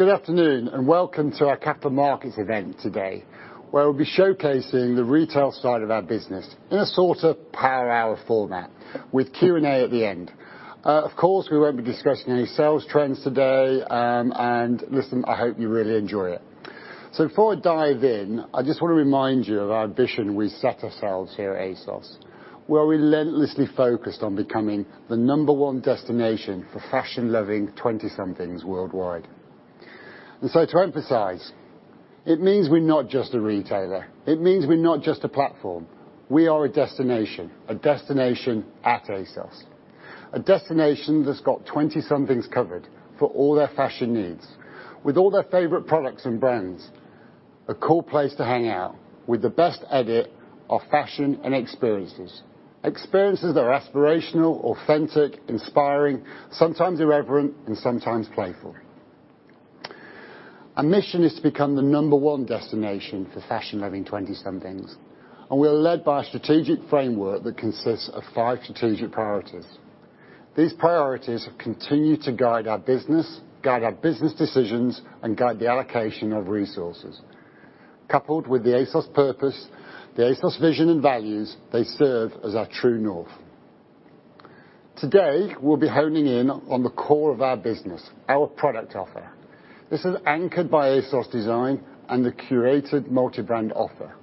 Good afternoon, welcome to our capital markets event today, where we'll be showcasing the retail side of our business in a sort of power hour format with Q&A at the end. Of course, we won't be discussing any sales trends today, listen, I hope you really enjoy it. Before I dive in, I just want to remind you of our ambition we set ourselves here at ASOS. We are relentlessly focused on becoming the number 1 destination for fashion loving 20-somethings worldwide. To emphasize, it means we're not just a retailer, it means we're not just a platform. We are a destination. A destination at ASOS. A destination that's got 20-somethings covered for all their fashion needs, with all their favorite products and brands. A cool place to hang out, with the best edit of fashion and experiences. Experiences that are aspirational, authentic, inspiring, sometimes irreverent, and sometimes playful. Our mission is to become the number one destination for fashion loving 20-somethings, and we are led by a strategic framework that consists of five strategic priorities. These priorities have continued to guide our business, guide our business decisions, and guide the allocation of resources. Coupled with the ASOS purpose, the ASOS vision and values, they serve as our true north. Today, we'll be honing in on the core of our business, our product offer. This is anchored by ASOS Design and the curated multi-brand offer.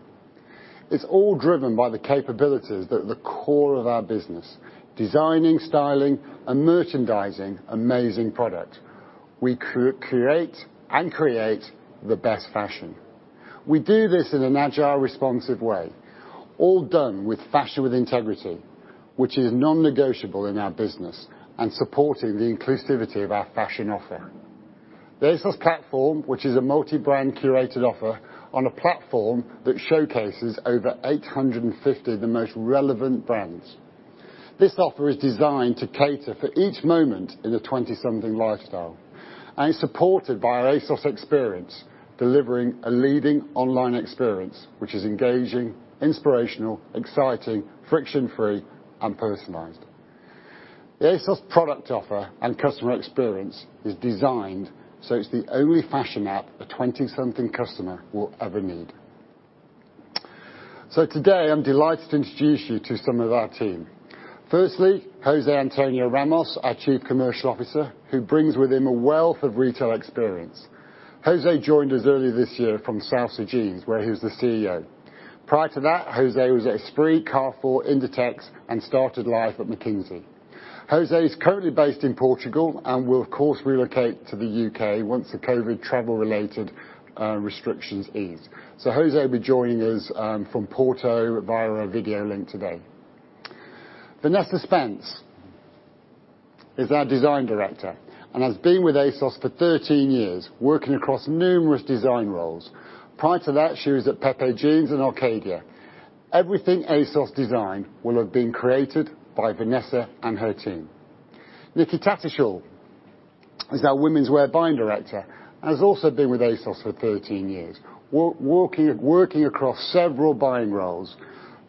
It's all driven by the capabilities that are at the core of our business, designing, styling, and merchandising amazing product. We curate and create the best fashion. We do this in an agile, responsive way. All done with Fashion with Integrity, which is non-negotiable in our business, and supporting the inclusivity of our fashion offer. The ASOS platform, which is a multi-brand curated offer on a platform that showcases over 850 of the most relevant brands. This offer is designed to cater for each moment in a 20-something lifestyle, and it's supported by our ASOS experience, delivering a leading online experience, which is engaging, inspirational, exciting, friction-free, and personalized. The ASOS product offer and customer experience is designed so it's the only fashion app a 20-something customer will ever need. Today, I'm delighted to introduce you to some of our team. Firstly, José Antonio Ramos, our Chief Commercial Officer, who brings with him a wealth of retail experience. José joined us earlier this year from Salsa Jeans, where he was the CEO. Prior to that, José was at Esprit, Carrefour, Inditex, and started life at McKinsey. José is currently based in Portugal and will of course relocate to the U.K. once the COVID travel related restrictions ease. José will be joining us from Porto via a video link today. Vanessa Spence is our Design Director and has been with ASOS for 13 years, working across numerous design roles. Prior to that, she was at Pepe Jeans and Arcadia. Everything ASOS designed will have been created by Vanessa and her team. Nikki Tattersall is our Womenswear Buying Director, and has also been with ASOS for 13 years, working across several buying roles.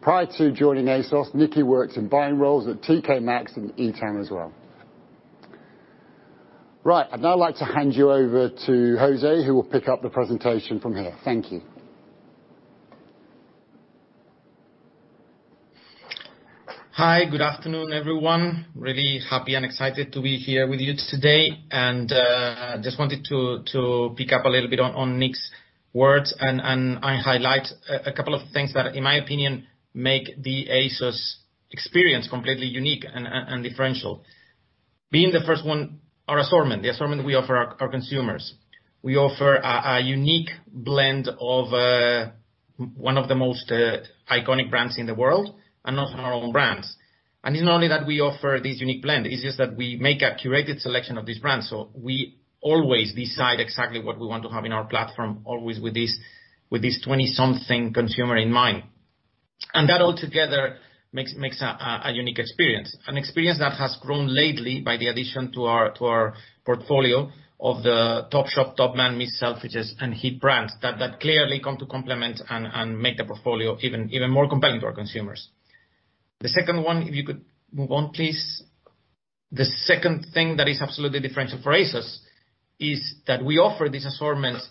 Prior to joining ASOS, Nikki worked in buying roles at TK Maxx and Etam as well. Right. I'd now like to hand you over to José, who will pick up the presentation from here. Thank you. Hi. Good afternoon, everyone. Really happy and excited to be here with you today, and just wanted to pick up a little bit on Nick's words and highlight a couple of things that, in my opinion, make the ASOS experience completely unique and differential. Being the first one, our assortment, the assortment we offer our consumers. We offer a unique blend of one of the most iconic brands in the world, and also our own brands. It's not only that we offer this unique blend, it's just that we make a curated selection of these brands, so we always decide exactly what we want to have in our platform, always with this 20-something consumer in mind. That all together makes a unique experience. An experience that has grown lately by the addition to our portfolio of the Topshop, Topman, Miss Selfridge, and HIIT brands that clearly come to complement and make the portfolio even more compelling to our consumers. The second one, if you could move on, please. The second thing that is absolutely differential for ASOS is that we offer these assortments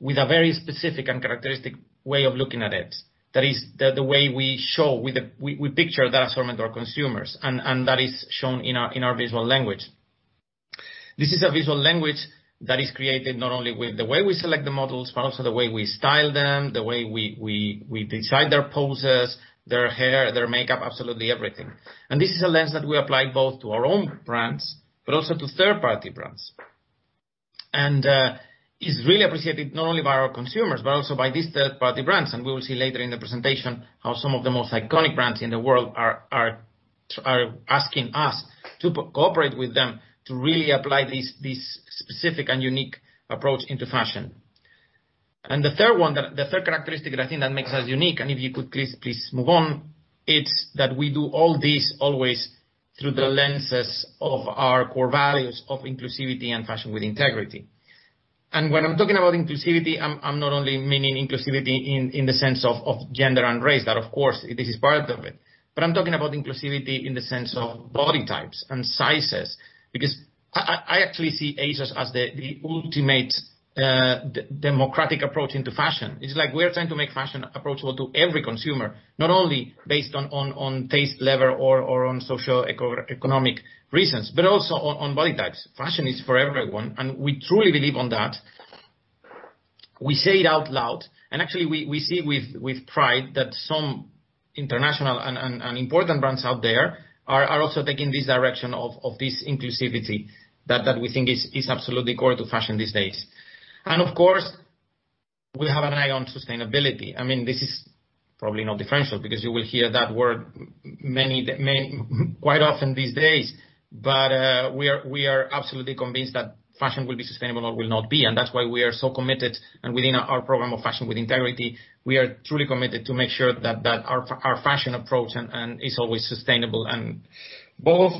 with a very specific and characteristic way of looking at it. That is, the way we show, we picture that assortment to our consumers, and that is shown in our visual language. This is a visual language that is created not only with the way we select the models, but also the way we style them, the way we decide their poses, their hair, their makeup, absolutely everything. This is a lens that we apply both to our own brands, but also to third-party brands. It's really appreciated not only by our consumers, but also by these third-party brands. We will see later in the presentation how some of the most iconic brands in the world are asking us to cooperate with them to really apply this specific and unique approach into fashion. The third one, the third characteristic that I think that makes us unique, if you could please move on, it's that we do all this always through the lenses of our core values of inclusivity and Fashion with Integrity. When I'm talking about inclusivity, I'm not only meaning inclusivity in the sense of gender and race. That, of course, this is part of it, but I'm talking about inclusivity in the sense of body types and sizes, because I actually see ASOS as the ultimate democratic approach into fashion. It's like we're trying to make fashion approachable to every consumer, not only based on taste level or on socioeconomic reasons, but also on body types. Fashion is for everyone, we truly believe on that. We say it out loud, actually, we see with pride that some international and important brands out there are also taking this direction of this inclusivity that we think is absolutely core to fashion these days. Of course, we have an eye on sustainability. This is probably not differential because you will hear that word quite often these days. We are absolutely convinced that fashion will be sustainable or will not be, that's why we are so committed. Within our program of Fashion with Integrity, we are truly committed to make sure that our fashion approach is always sustainable, both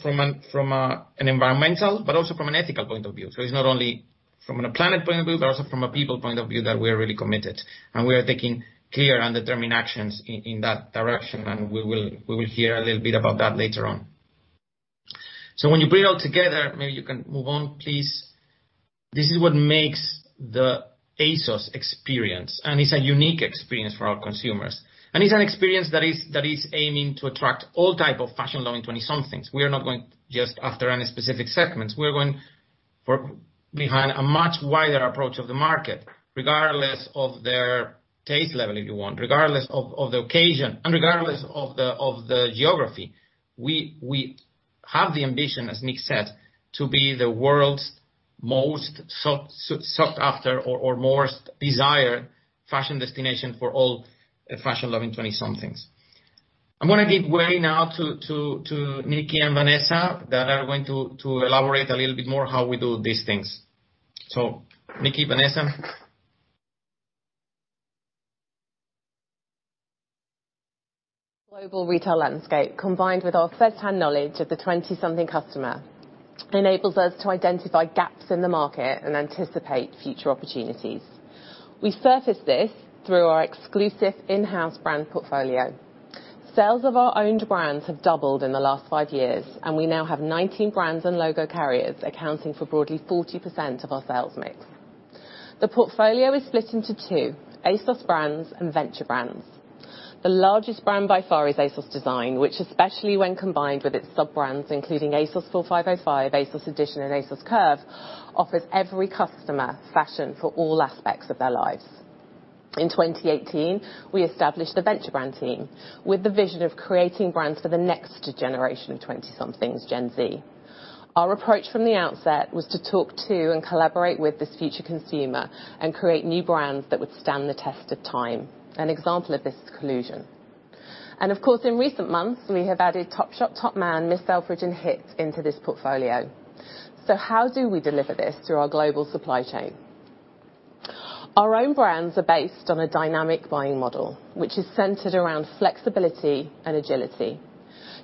from an environmental but also from an ethical point of view. It's not only from a planet point of view, but also from a people point of view that we're really committed, and we are taking clear and determined actions in that direction, and we will hear a little bit about that later on. When you bring it all together, maybe you can move on, please. This is what makes the ASOS experience, and it's a unique experience for our consumers. It's an experience that is aiming to attract all type of fashion-loving 20-somethings. We are not going just after any specific segments. We are going behind a much wider approach of the market, regardless of their taste level, if you want, regardless of the occasion, and regardless of the geography. We have the ambition, as Nick said, to be the world's most sought after or most desired fashion destination for all fashion-loving 20-somethings. I'm going to give way now to Nikki and Vanessa, that are going to elaborate a little bit more how we do these things. Nikki, Vanessa. Global retail landscape, combined with our firsthand knowledge of the 20-something customer, enables us to identify gaps in the market and anticipate future opportunities. We surface this through our exclusive in-house brand portfolio. Sales of our owned brands have doubled in the last five years, and we now have 19 brands and logo carriers accounting for broadly 40% of our sales mix. The portfolio is split into two. ASOS Brands and Venture Brands. The largest brand by far is ASOS Design, which especially when combined with its sub-brands, including ASOS 4505, ASOS Edition, and ASOS Curve, offers every customer fashion for all aspects of their lives. In 2018, we established the Venture Brand team with the vision of creating brands for the next generation of 20-somethings, Gen Z. Our approach from the outset was to talk to and collaborate with this future consumer and create new brands that would stand the test of time. An example of this is Collusion. Of course, in recent months, we have added Topshop, Topman, Miss Selfridge, and HIIT into this portfolio. How do we deliver this through our global supply chain? Our own brands are based on a dynamic buying model, which is centered around flexibility and agility.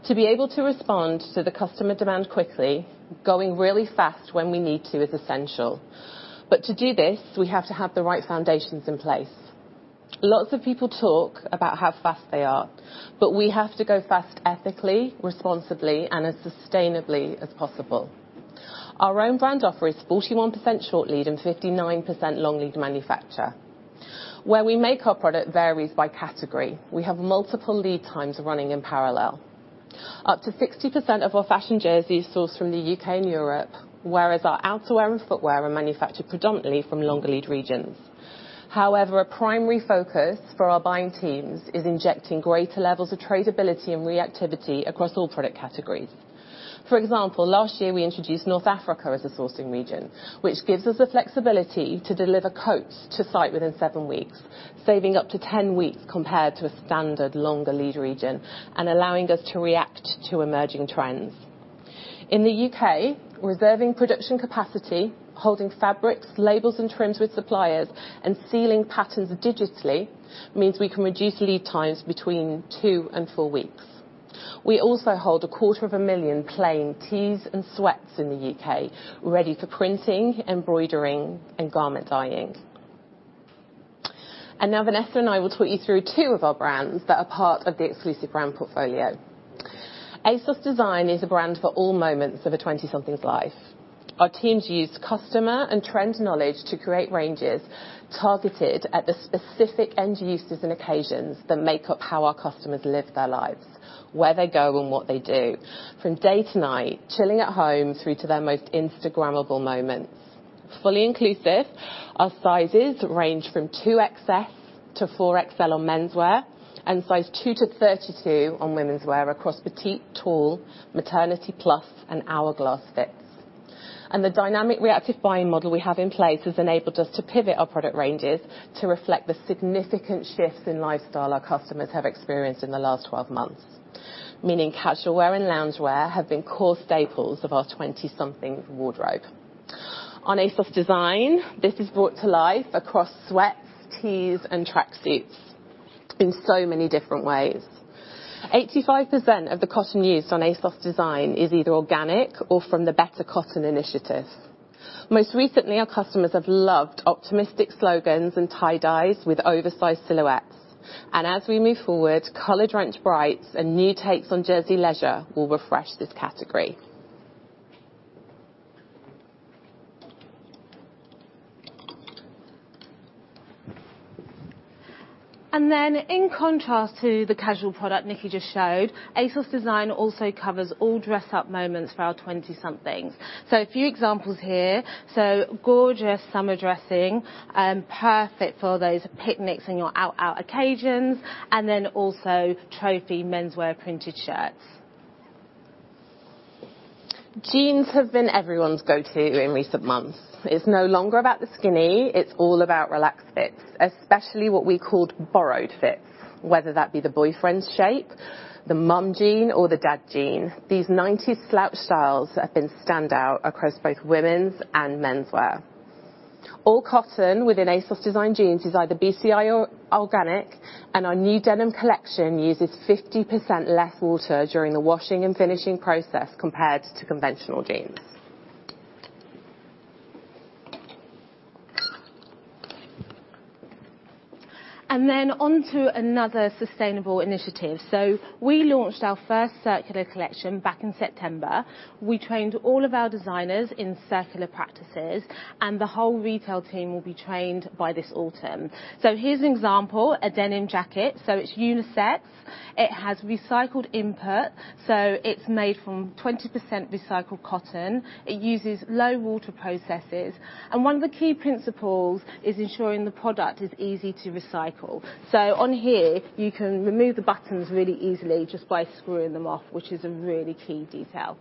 To be able to respond to the customer demand quickly, going really fast when we need to is essential. To do this, we have to have the right foundations in place. Lots of people talk about how fast they are, but we have to go fast ethically, responsibly, and as sustainably as possible. Our own brand offer is 41% short lead and 59% long lead manufacture. Where we make our product varies by category. We have multiple lead times running in parallel. Up to 60% of our fashion jerseys source from the U.K. and Europe, whereas our outerwear and footwear are manufactured predominantly from longer lead regions. However, a primary focus for our buying teams is injecting greater levels of traceability and reactivity across all product categories. For example, last year, we introduced North Africa as a sourcing region, which gives us the flexibility to deliver coats to site within seven weeks, saving up to 10 weeks compared to a standard longer lead region, and allowing us to react to emerging trends. In the U.K., reserving production capacity, holding fabrics, labels, and trims with suppliers, and sealing patterns digitally means we can reduce lead times between two and four weeks. We also hold a quarter of a million plain tees and sweats in the U.K., ready for printing, embroidering, and garment dyeing. Now, Vanessa and I will talk you through two of our brands that are part of the exclusive brand portfolio. ASOS Design is a brand for all moments of a 20-something's life. Our teams use customer and trend knowledge to create ranges targeted at the specific end uses and occasions that make up how our customers live their lives, where they go, and what they do, from day to night, chilling at home through to their most Instagrammable moments. Fully inclusive, our sizes range from 2XS-4XL on menswear and size 2-32 on womenswear across petite, tall, maternity, plus, and hourglass fits. The dynamic reactive buying model we have in place has enabled us to pivot our product ranges to reflect the significant shifts in lifestyle our customers have experienced in the last 12 months. Meaning casual wear and loungewear have been core staples of our 20-something wardrobe. On ASOS Design, this is brought to life across sweats, tees, and track suits in so many different ways. 85% of the cotton used on ASOS Design is either organic or from the Better Cotton Initiative. Most recently, our customers have loved optimistic slogans and tie dyes with oversized silhouettes. As we move forward, color drenched brights and new takes on jersey leisure will refresh this category. In contrast to the casual product Nikki just showed, ASOS Design also covers all dress up moments for our 20-somethings. A few examples here. Gorgeous summer dressing, perfect for those picnics and your out occasions, and then also trophy menswear printed shirts. Jeans have been everyone's go-to in recent months. It's no longer about the skinny. It's all about relaxed fits, especially what we called borrowed fits, whether that be the boyfriend shape, the mom jean, or the dad jean. These '90s slouch styles have been standout across both women's and menswear. All cotton within ASOS Design jeans is either BCI organic, and our new denim collection uses 50% less water during the washing and finishing process compared to conventional jeans. Onto another sustainable initiative. We launched our first circular collection back in September. We trained all of our designers in circular practices, and the whole retail team will be trained by this autumn. Here's an example, a denim jacket. It's unisex. It has recycled input. It's made from 20% recycled cotton. It uses low water processes, and one of the key principles is ensuring the product is easy to recycle. On here, you can remove the buttons really easily just by screwing them off, which is a really key detail.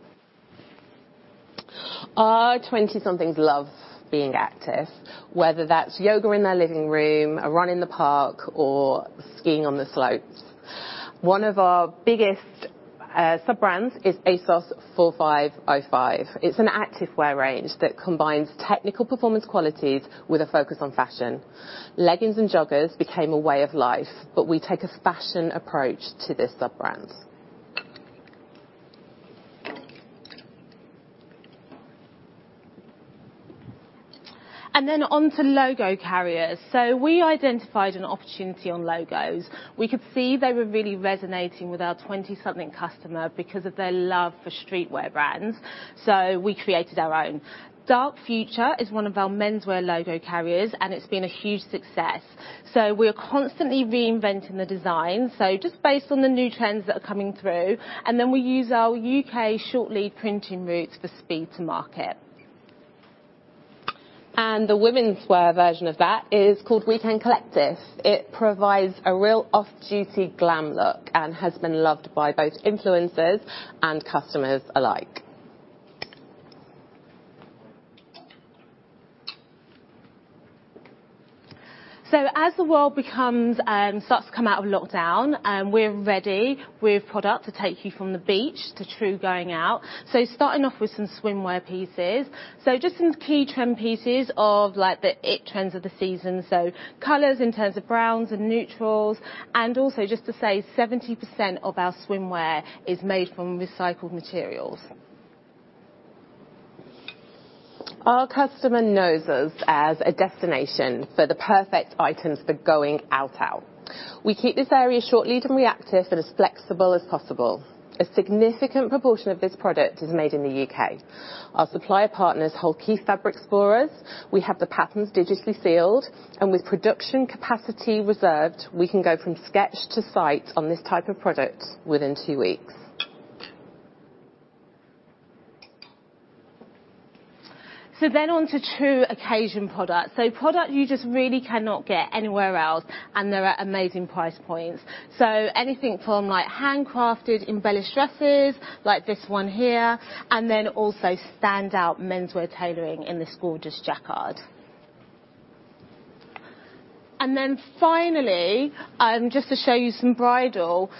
Our 20-somethings love being active, whether that's yoga in their living room, a run in the park, or skiing on the slopes. One of our biggest sub-brands is ASOS 4505. It's an activewear range that combines technical performance qualities with a focus on fashion. Leggings and joggers became a way of life, but we take a fashion approach to this sub-brand. Then onto logo carriers. We identified an opportunity on logos. We could see they were really resonating with our 20-somethings customer because of their love for streetwear brands. We created our own. Dark Future is one of our menswear logo carriers, and it's been a huge success. We're constantly reinventing the design, just based on the new trends that are coming through, then we use our U.K. short lead printing routes for speed to market. The womenswear version of that is called Weekend Collective. It provides a real off-duty glam look and has been loved by both influencers and customers alike. As the world starts to come out of lockdown, we're ready with product to take you from the beach to true going out. Starting off with some swimwear pieces. Just some key trend pieces of the it trends of the season. Colors in terms of browns and neutrals, and also just to say 70% of our swimwear is made from recycled materials. Our customer knows us as a destination for the perfect items for going out. We keep this area short lead and reactive, and as flexible as possible. A significant proportion of this product is made in the U.K. Our supplier partners hold key fabrics for us. We have the patterns digitally sealed, and with production capacity reserved, we can go from sketch to site on this type of product within two weeks. Onto true occasion products. Product you just really cannot get anywhere else, and they're at amazing price points. Anything from handcrafted embellished dresses like this one here, and then also standout menswear tailoring in this gorgeous jacquard. Finally, just to show you some bridal.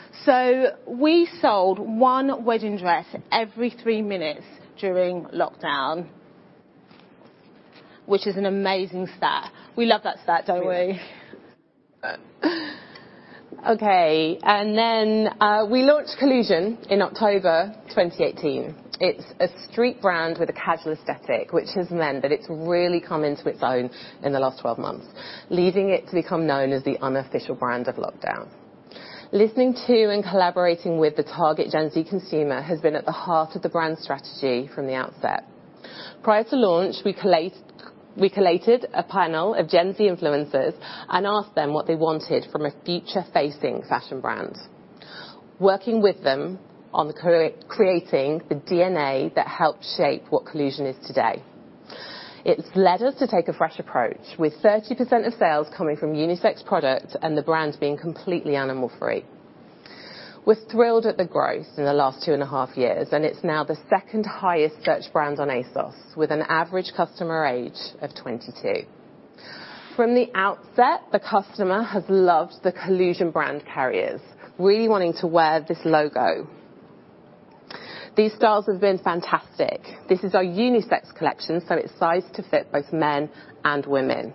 We sold one wedding dress every three minutes during lockdown, which is an amazing stat. We love that stat, don't we? It's true. Okay. We launched Collusion in October 2018. It's a street brand with a casual aesthetic, which has meant that it's really come into its own in the last 12 months, leading it to become known as the unofficial brand of lockdown. Listening to and collaborating with the target Gen Z consumer has been at the heart of the brand strategy from the outset. Prior to launch, we collated a panel of Gen Z influencers and asked them what they wanted from a future facing fashion brand. Working with them on creating the DNA that helped shape what Collusion is today. It's led us to take a fresh approach, with 30% of sales coming from unisex products and the brand being completely animal free. We're thrilled at the growth in the last two and a half years, and it's now the second highest searched brand on ASOS, with an average customer age of 22. From the outset, the customer has loved the Collusion brand carriers, really wanting to wear this logo. These styles have been fantastic. This is our unisex collection, so it is sized to fit both men and women.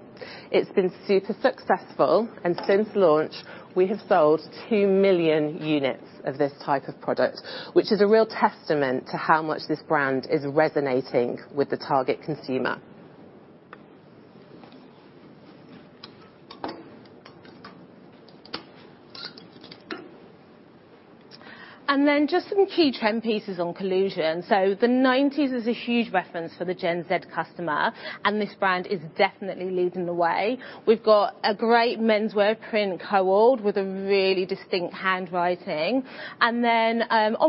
It has been super successful, and since launch, we have sold 2 million units of this type of product, which is a real testament to how much this brand is resonating with the target consumer. Just some key trend pieces on Collusion. The '90s is a huge reference for the Gen Z customer, and this brand is definitely leading the way. We have got a great menswear print co-ord with a really distinct handwriting. On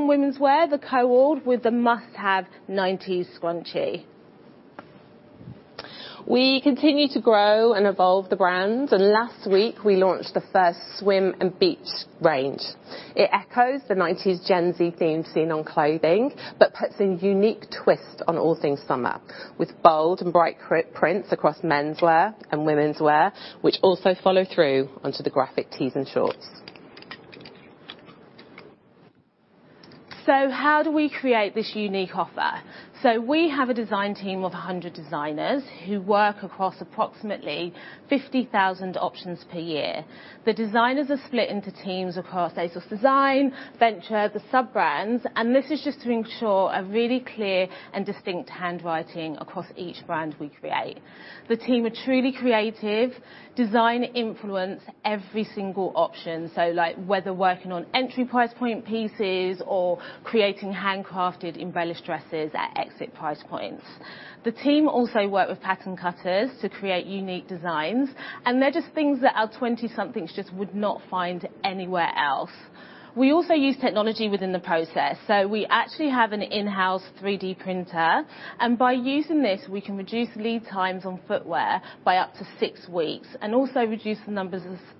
womenswear, the co-ord with the must-have 1990s scrunchie. We continue to grow and evolve the brands, and last week we launched the first swim and beach range. It echoes the 1990s Gen Z theme seen on clothing, but puts a unique twist on all things summer, with bold and bright prints across menswear and womenswear, which also follow through onto the graphic tees and shorts. How do we create this unique offer? We have a design team of 100 designers who work across approximately 50,000 options per year. The designers are split into teams across ASOS Design, Venture, the sub-brands. This is just to ensure a really clear and distinct handwriting across each brand we create. The team are truly creative. Design influence every single option, whether working on entry price point pieces or creating handcrafted embellished dresses at exit price points. The team also work with pattern cutters to create unique designs. They're just things that our 20-somethings just would not find anywhere else. We also use technology within the process. We actually have an in-house 3D printer, and by using this, we can reduce lead times on footwear by up to 6 weeks, and also reduce the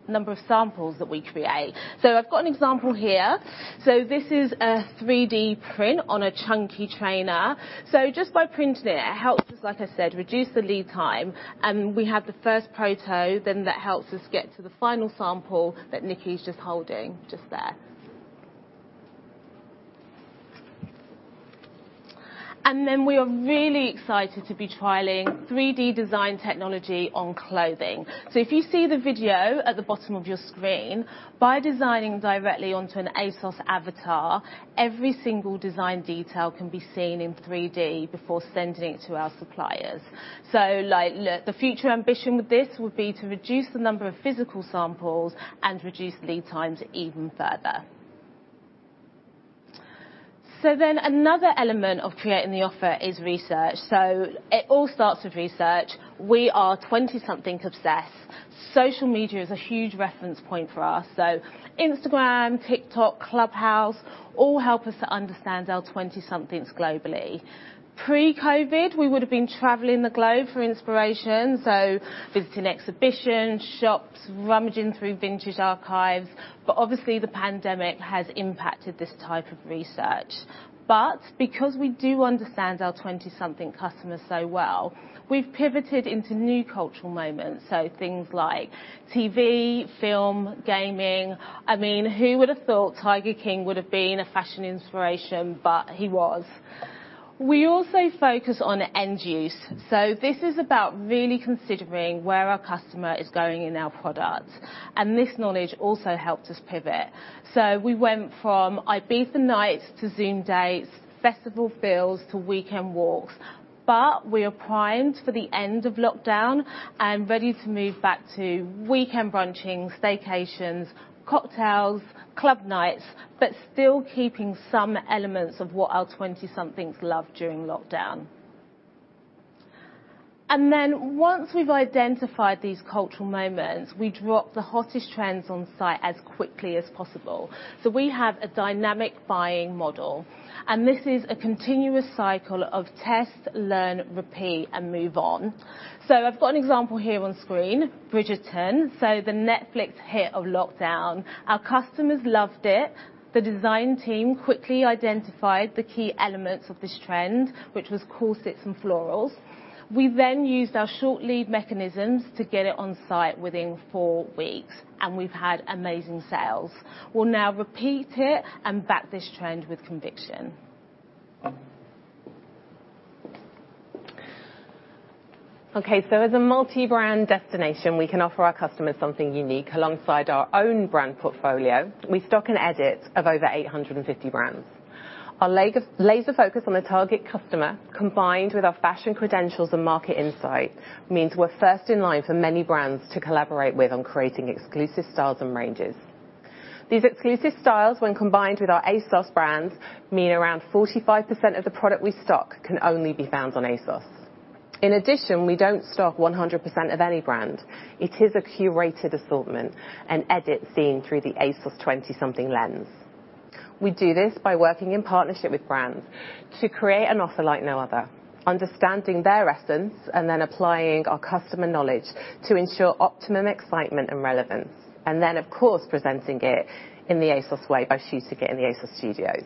number of samples that we create. I've got one example here. This is a 3D print on a chunky trainer. Just by printing it helps us, like I said, reduce the lead time, and we have the first proto, then that helps us get to the final sample that Nikki's just holding just there. We are really excited to be trialing 3D design technology on clothing. If you see the video at the bottom of your screen, by designing directly onto an ASOS avatar, every single design detail can be seen in 3D before sending it to our suppliers. The future ambition with this would be to reduce the number of physical samples and reduce lead times even further. Another element of creating the offer is research. It all starts with research. We are 20-somethings obsessed. Social media is a huge reference point for us, so Instagram, TikTok, Clubhouse, all help us to understand our 20-somethings globally. Pre-COVID, we would've been traveling the globe for inspiration, so visiting exhibitions, shops, rummaging through vintage archives. Obviously, the pandemic has impacted this type of research. Because we do understand our 20-somethings customers so well, we've pivoted into new cultural moments, so things like TV, film, gaming. I mean, who would've thought Tiger King would've been a fashion inspiration, but he was. We also focus on end use. This is about really considering where our customer is going in our product. This knowledge also helped us pivot. We went from Ibiza nights to Zoom dates, festival feels to weekend walks. We are primed for the end of lockdown and ready to move back to weekend brunching, staycations, cocktails, club nights, but still keeping some elements of what our 20-somethings loved during lockdown. Once we've identified these cultural moments, we drop the hottest trends on site as quickly as possible. We have a dynamic buying model, and this is a continuous cycle of test, learn, repeat, and move on. I've got an example here on screen, "Bridgerton," so the Netflix hit of lockdown. Our customers loved it. Thse design team quickly identified the key elements of this trend, which was corsets and florals. We then used our short lead mechanisms to get it on site within 4 weeks, and we've had amazing sales. We'll now repeat it and back this trend with conviction. As a multi-brand destination, we can offer our customers something unique. Alongside our own brand portfolio, we stock an edit of over 850 brands. Our laser focus on the target customer, combined with our fashion credentials and market insight, means we're first in line for many brands to collaborate with on creating exclusive styles and ranges. These exclusive styles, when combined with our ASOS brands, mean around 45% of the product we stock can only be found on ASOS. We don't stock 100% of any brand. It is a curated assortment, an edit seen through the ASOS 20-somethings lens. We do this by working in partnership with brands to create an offer like no other, understanding their essence, and then applying our customer knowledge to ensure optimum excitement and relevance. Then, of course, presenting it in the ASOS way by shooting it in the ASOS Studios.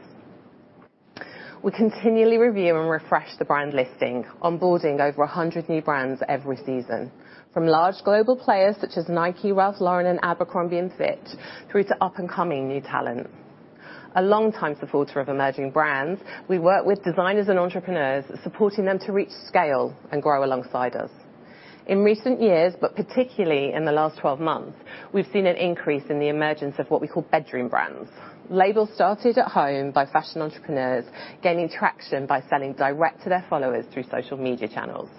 We continually review and refresh the brand listing, onboarding over 100 new brands every season, from large global players such as Nike, Ralph Lauren, and Abercrombie & Fitch, through to up-and-coming new talent. A long time supporter of emerging brands. We work with designers and entrepreneurs, supporting them to reach scale and grow alongside us. In recent years, but particularly in the last 12 months, we've seen an increase in the emergence of what we call bedroom brands. Labels started at home by fashion entrepreneurs, gaining traction by selling direct to their followers through social media channels.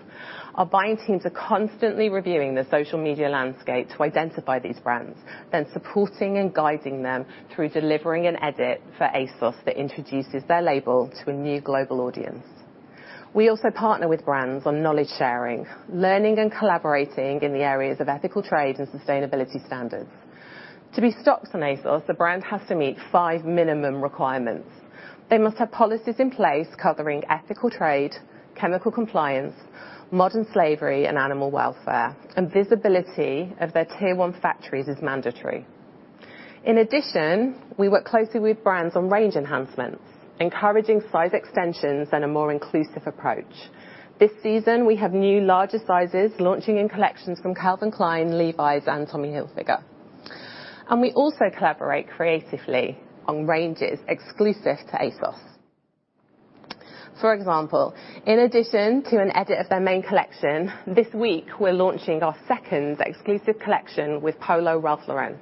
Our buying teams are constantly reviewing the social media landscape to identify these brands, then supporting and guiding them through delivering an edit for ASOS that introduces their label to a new global audience. We also partner with brands on knowledge sharing, learning and collaborating in the areas of ethical trade and sustainability standards. To be stocked on ASOS, the brand has to meet five minimum requirements. They must have policies in place covering ethical trade, chemical compliance, modern slavery, and animal welfare, and visibility of their tier 1 factories is mandatory. In addition, we work closely with brands on range enhancements, encouraging size extensions, and a more inclusive approach. This season, we have new larger sizes launching in collections from Calvin Klein, Levi's, and Tommy Hilfiger. We also collaborate creatively on ranges exclusive to ASOS. For example, in addition to an edit of their main collection, this week we're launching our second exclusive collection with Polo Ralph Lauren.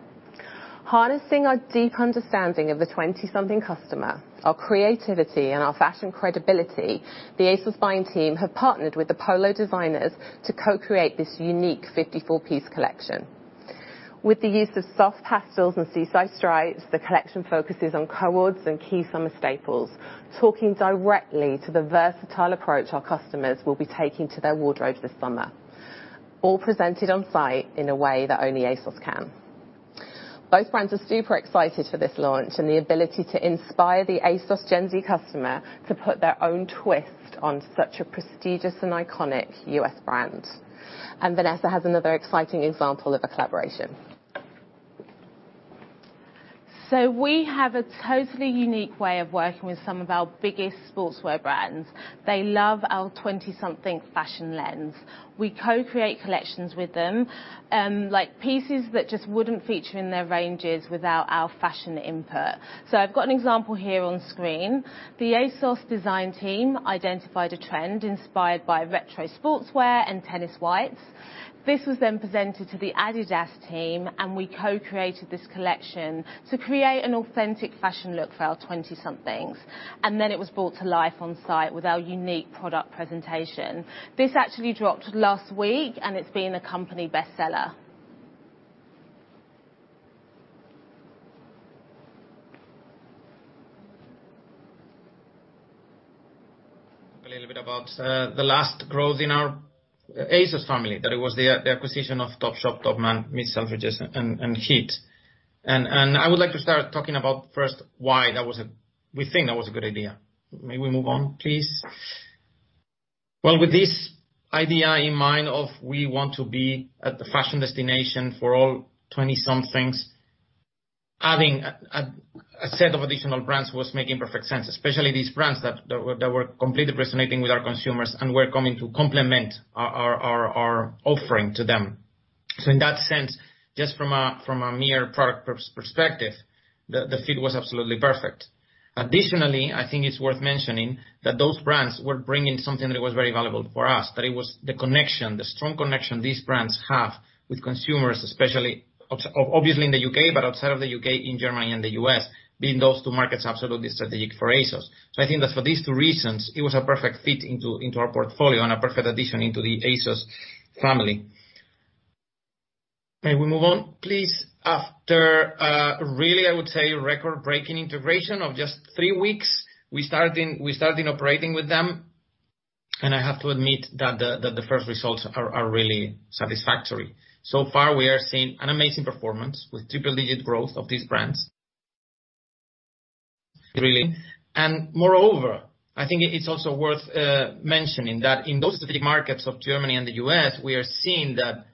Harnessing our deep understanding of the 20-somethings customer, our creativity, and our fashion credibility, the ASOS buying team have partnered with the Polo designers to co-create this unique 54-piece collection. With the use of soft pastels and seaside stripes, the collection focuses on co-ords and key summer staples, talking directly to the versatile approach our customers will be taking to their wardrobes this summer, all presented on site in a way that only ASOS can. Both brands are super excited for this launch and the ability to inspire the ASOS Gen Z customer to put their own twist on such a prestigious and iconic U.S. brand. Vanessa has another exciting example of a collaboration. We have a totally unique way of working with some of our biggest sportswear brands. They love our 20-somethings fashion lens. We co-create collections with them, like pieces that just wouldn't feature in their ranges without our fashion input. I've got an example here on screen. The ASOS Design team identified a trend inspired by retro sportswear and tennis whites. This was then presented to the Adidas team, and we co-created this collection to create an authentic fashion look for our 20-somethings. Then it was brought to life on site with our unique product presentation. This actually dropped last week, and it's been a company bestseller. A little bit about the last growth in our ASOS family, that it was the acquisition of Topshop, Topman, Miss Selfridge, and HIIT. I would like to start talking about first, why we think that was a good idea. May we move on, please? Well, with this idea in mind of we want to be at the fashion destination for all 20-somethings, having a set of additional brands was making perfect sense, especially these brands that were completely resonating with our consumers and were coming to complement our offering to them. In that sense, just from a mere product perspective, the fit was absolutely perfect. Additionally, I think it's worth mentioning that those brands were bringing something that was very valuable for us, that it was the connection, the strong connection these brands have with consumers, especially, obviously in the U.K., but outside of the U.K., in Germany and the U.S., being those two markets are absolutely strategic for ASOS. I think that for these two reasons, it was a perfect fit into our portfolio and a perfect addition into the ASOS family. May we move on, please? After, really, I would say, record-breaking integration of just three weeks, we started operating with them, and I have to admit that the first results are really satisfactory. Far, we are seeing an amazing performance with triple-digit growth of these brands, really. Moreover, I think it's also worth mentioning that in those three markets of Germany and the U.S., we are seeing that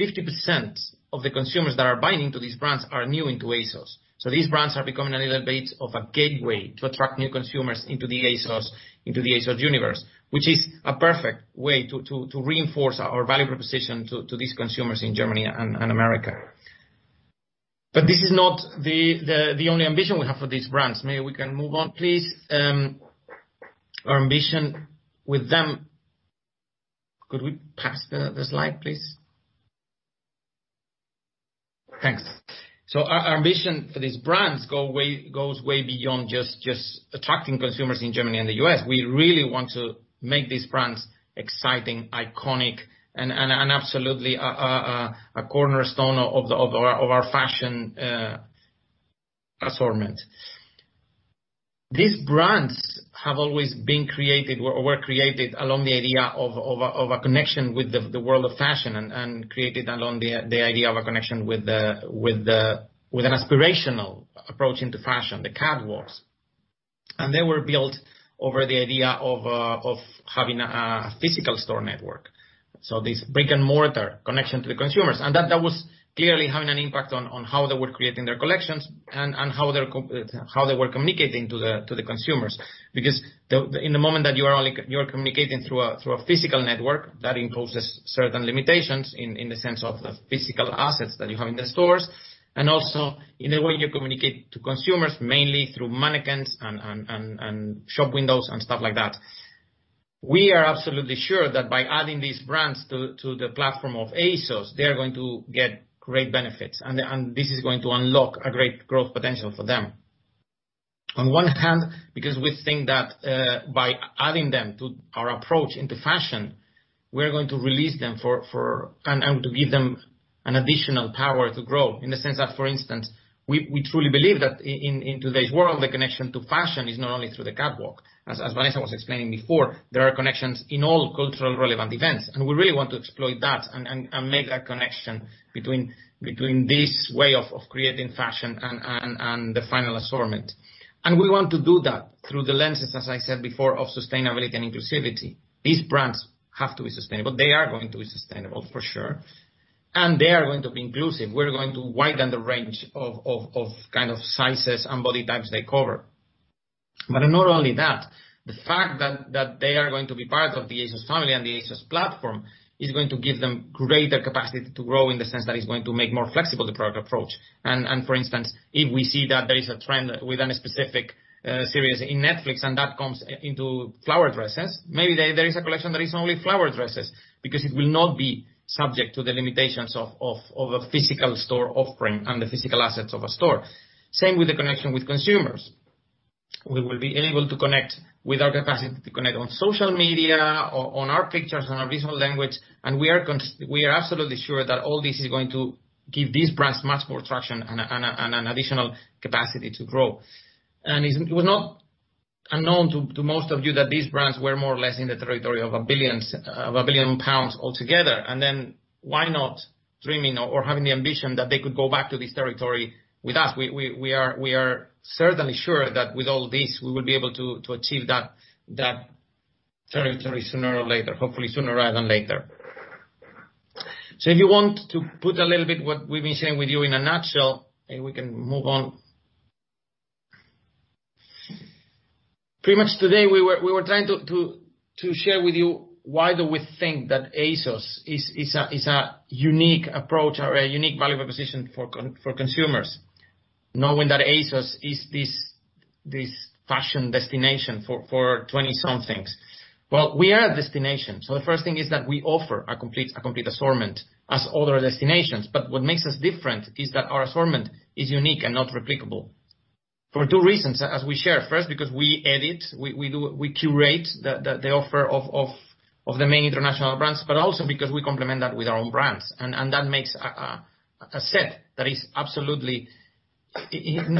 50% of the consumers that are buying into these brands are new into ASOS. These brands are becoming a little bit of a gateway to attract new consumers into the ASOS universe, which is a perfect way to reinforce our value proposition to these consumers in Germany and the U.S. This is not the only ambition we have for these brands. Maybe we can move on, please. Could we pass the slide, please? Thanks. Our ambition for these brands goes way beyond just attracting consumers in Germany and the U.S. We really want to make these brands exciting, iconic, and absolutely a cornerstone of our fashion assortment. These brands have always been created, or were created, along the idea of a connection with the world of fashion and created along the idea of a connection with an aspirational approach into fashion, the catwalks. They were built over the idea of having a physical store network, this brick-and-mortar connection to the consumers. That was clearly having an impact on how they were creating their collections and how they were communicating to the consumers. In the moment that you are communicating through a physical network, that imposes certain limitations in the sense of the physical assets that you have in the stores, and also in the way you communicate to consumers, mainly through mannequins and shop windows and stuff like that. We are absolutely sure that by adding these brands to the platform of ASOS, they are going to get great benefits, and this is going to unlock a great growth potential for them. On one hand, because we think that by adding them to our approach into fashion, we are going to release them and to give them an additional power to grow, in the sense that, for instance, we truly believe that in today's world, the connection to fashion is not only through the catwalk. As Vanessa was explaining before, there are connections in all culturally relevant events, and we really want to exploit that and make that connection between this way of creating fashion and the final assortment. We want to do that through the lenses, as I said before, of sustainability and inclusivity. These brands have to be sustainable. They are going to be sustainable, for sure. They are going to be inclusive. We're going to widen the range of sizes and body types they cover. Not only that, the fact that they are going to be part of the ASOS family and the ASOS platform is going to give them greater capacity to grow in the sense that it's going to make more flexible the product approach. For instance, if we see that there is a trend within a specific series in Netflix and that comes into flower dresses, maybe there is a collection that is only flower dresses because it will not be subject to the limitations of a physical store offering and the physical assets of a store. Same with the connection with consumers. We will be able to connect with our capacity to connect on social media, or on our pictures, on our visual language, and we are absolutely sure that all this is going to give these brands much more traction and an additional capacity to grow. It was not unknown to most of you that these brands were more or less in the territory of 1 billion pounds altogether. Why not dreaming or having the ambition that they could go back to this territory with us? We are certainly sure that with all this, we will be able to achieve that territory sooner or later, hopefully sooner rather than later. If you want to put a little bit what we've been saying with you in a nutshell, and we can move on. Pretty much today, we were trying to share with you why do we think that ASOS is a unique approach or a unique value proposition for consumers, knowing that ASOS is this fashion destination for 20-somethings. Well, we are a destination, so the first thing is that we offer a complete assortment as other destinations. What makes us different is that our assortment is unique and not replicable. For two reasons, as we share. First, because we edit, we curate the offer of the main international brands, but also because we complement that with our own brands, and that makes a set that is absolutely.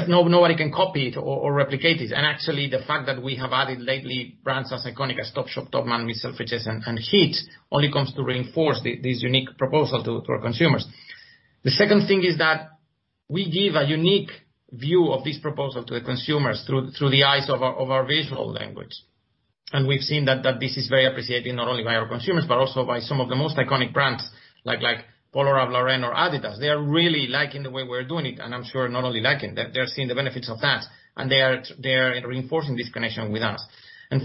Nobody can copy it or replicate it. Actually, the fact that we have added lately brands as iconic as Topshop, Topman, Miss Selfridge, and HIIT only comes to reinforce this unique proposal to our consumers. The second thing is that we give a unique view of this proposal to the consumers through the eyes of our visual language. We've seen that this is very appreciated, not only by our consumers, but also by some of the most iconic brands, like Polo Ralph Lauren or Adidas. They are really liking the way we're doing it, and I'm sure not only liking, they're seeing the benefits of that, and they are reinforcing this connection with us.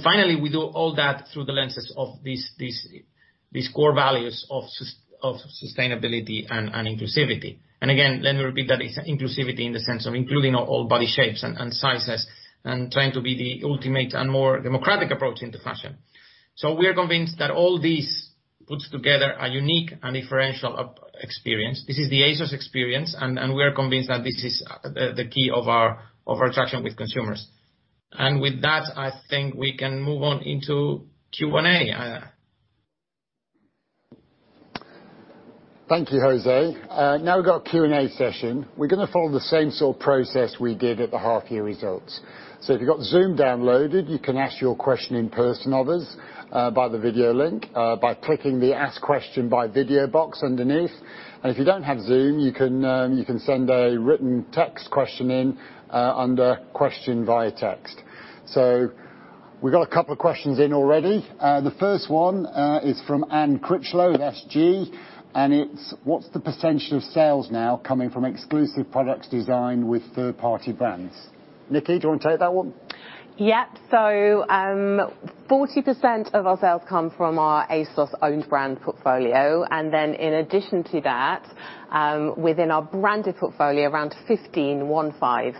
Finally, we do all that through the lenses of these core values of sustainability and inclusivity. Again, let me repeat that it's inclusivity in the sense of including all body shapes and sizes and trying to be the ultimate and more democratic approach into fashion. We are convinced that all this puts together a unique and differential experience. This is the ASOS experience, and we are convinced that this is the key of our attraction with consumers. With that, I think we can move on into Q&A. Thank you, José. Now we've got a Q&A session. We're going to follow the same sort of process we did at the half-year results. If you've got Zoom downloaded, you can ask your question in person of us, by the video link, by clicking the Ask Question by Video box underneath. If you don't have Zoom, you can send a written text question in under Question via Text. We've got a couple of questions in already. The first one is from Anne Critchlow with SG, and it's: What's the potential of sales now coming from exclusive products designed with third-party brands? Nikki, do you want to take that one? Yep. 40% of our sales come from our ASOS owned brand portfolio. In addition to that, within our branded portfolio, around 15, 15%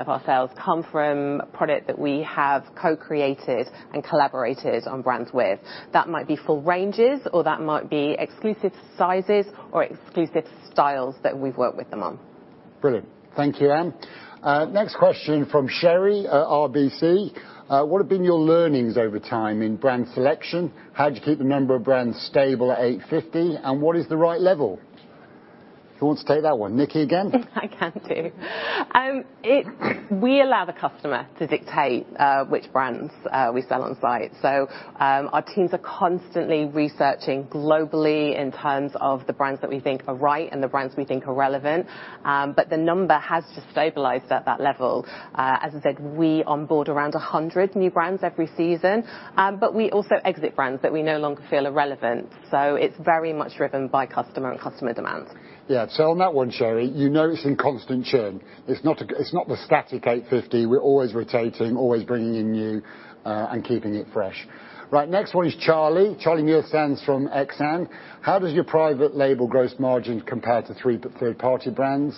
of our sales come from product that we have co-created and collaborated on brands with. That might be full ranges, or that might be exclusive sizes or exclusive styles that we've worked with them on. Brilliant. Thank you, Anne. Next question from Sherri at RBC. What have been your learnings over time in brand selection? How do you keep the number of brands stable at 850? What is the right level? Who wants to take that one? Nikki again? I can do. We allow the customer to dictate which brands we sell on site. Our teams are constantly researching globally in terms of the brands that we think are right and the brands we think are relevant. The number has just stabilized at that level. As I said, we onboard around 100 new brands every season, but we also exit brands that we no longer feel are relevant. It's very much driven by customer and customer demands. On that one, Sherri, you know it's in constant churn. It's not the static 850. We're always rotating, always bringing in new, and keeping it fresh. Next one is Charlie. Charlie Muir-Sands from Exane. How does your private label gross margin compare to third-party brands?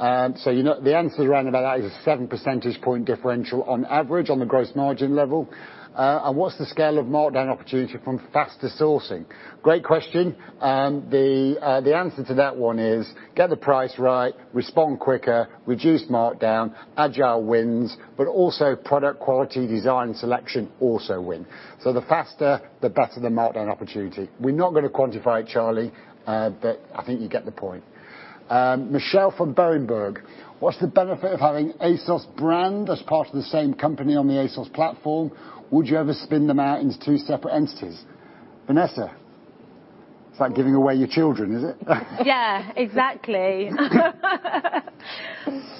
You know the answer is around about that is a 7% points differential on average on the gross margin level. What's the scale of markdown opportunity from faster sourcing? Great question. The answer to that one is, get the price right, respond quicker, reduce markdown, agile wins, also product quality, design, selection also win. The faster, the better the markdown opportunity. We're not going to quantify it, Charlie, I think you get the point. Michelle from Berenberg. What's the benefit of having ASOS brand as part of the same company on the ASOS platform? Would you ever spin them out into two separate entities? Vanessa, it's like giving away your children, is it? Yeah, exactly.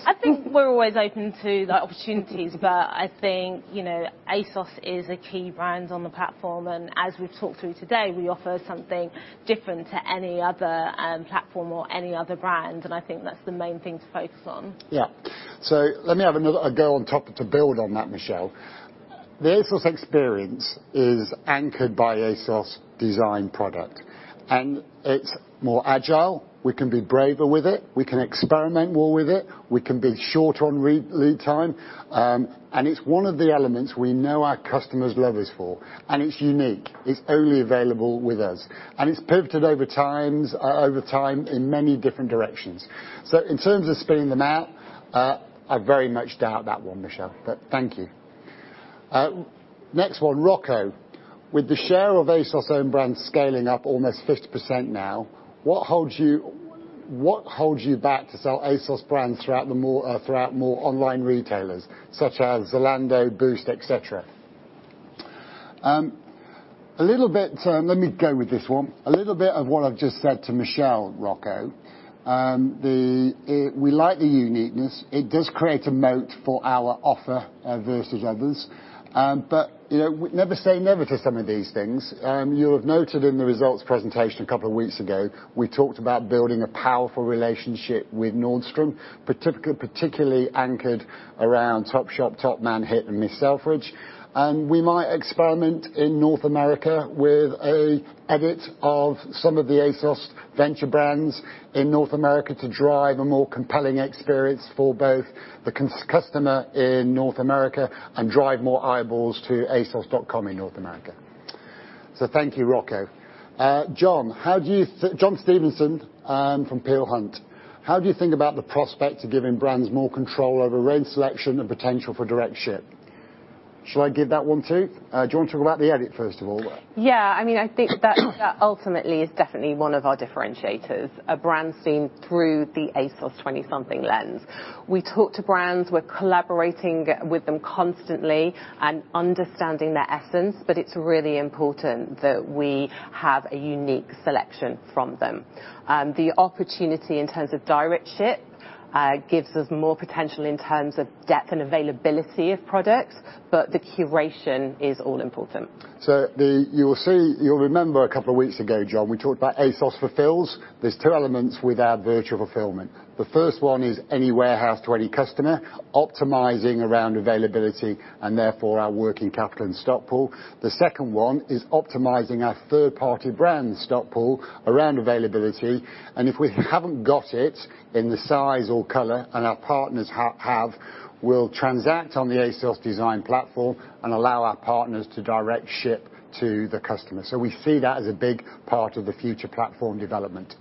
I think we're always open to the opportunities, but I think, ASOS is a key brand on the platform. As we've talked through today, we offer something different to any other platform or any other brand, and I think that's the main thing to focus on. Yeah. Let me have a go to build on that, Michelle. The ASOS experience is anchored by ASOS Design product. It's more agile. We can be braver with it. We can experiment more with it. We can be short on lead time. It's one of the elements we know our customers love us for. It's unique. It's only available with us. It's pivoted over time in many different directions. In terms of spinning them out, I very much doubt that one, Michelle. Thank you. Next one, Rocco. With the share of ASOS own brand scaling up almost 50% now, what holds you back to sell ASOS brands throughout more online retailers, such as Zalando, Boozt, et cetera? Let me go with this one. A little bit of what I've just said to Michelle, Rocco. We like the uniqueness. It does create a moat for our offer versus others. Never say never to some of these things. You'll have noted in the results presentation a couple of weeks ago, we talked about building a powerful relationship with Nordstrom, particularly anchored around Topshop, Topman, HIIT, and Miss Selfridge. We might experiment in North America with an edit of some of the ASOS venture brands in North America to drive a more compelling experience for both the customer in North America and drive more eyeballs to asos.com in North America. Thank you, Rocco. John Stevenson from Peel Hunt. How do you think about the prospect of giving brands more control over range selection and potential for direct ship? Should I give that one, too? Do you want to talk about the edit, first of all? Yeah. I think that, ultimately, is definitely one of our differentiators, a brand seen through the ASOS 20-something lens. We talk to brands. We're collaborating with them constantly and understanding their essence, but it's really important that we have a unique selection from them. The opportunity in terms of direct ship gives us more potential in terms of depth and availability of products, but the curation is all important. You'll remember a couple of weeks ago, John, we talked about Partner Fulfils. There's two elements with our virtual fulfillment. The first one is any warehouse to any customer, optimizing around availability, and therefore, our working capital and stock pool. The second one is optimizing our third-party brand stock pool around availability, and if we haven't got it in the size or color, and our partners have, we'll transact on the ASOS Design platform and allow our partners to direct ship to the customer. We see that as a big part of the future platform development.